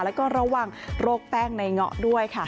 และก็ระหว่างโรคแป้งในเหงาด้วยค่ะ